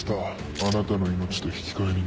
あなたの命と引き換えにね。